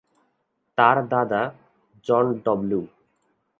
তার দাদা, John W.